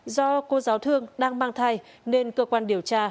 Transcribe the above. do cô giáo thương đang mang thai nên cơ quan điều tra